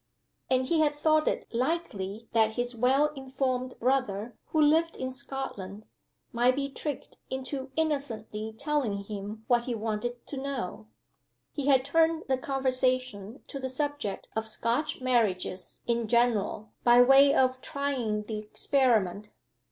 And he had thought it likely that his well informed brother, who lived in Scotland, might be tricked into innocently telling him what he wanted to know. He had turned the conversation to the subject of Scotch marriages in general by way of trying the experiment.